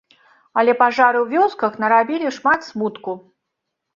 Але пажары ў вёсках нарабілі шмат смутку.